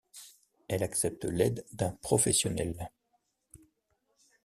Elle accepte l'aide d'un professionnel.